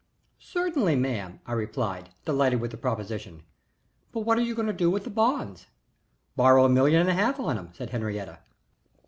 "Certainly, ma'am," I replied, delighted with the proposition. "But what are you going to do with the bonds?" "Borrow a million and a half on 'em," said Henriette.